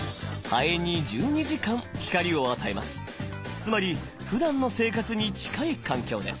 つまりふだんの生活に近い環境です。